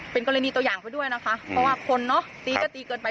เป็นกรณีตัวอย่างไปด้วยนะคะเพราะว่าคนเนอะตีก็ตีเกินไป